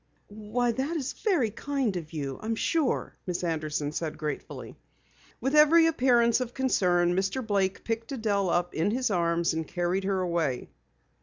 "Why, that is very kind of you, I am sure," Miss Anderson said gratefully. With every appearance of concern, Mr. Blake picked Adelle up in his arms and carried her away.